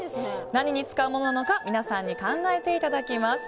何に使うものなのか皆さんに考えていただきます。